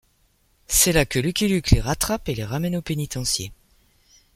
C'est là que Lucky Luke les rattrape et les ramène au pénitencier.